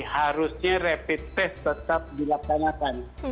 harusnya rapid test tetap dilaksanakan